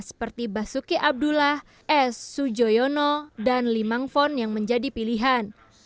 seperti basuki abdullah s sujoyono dan limang fon yang menjadi pilihan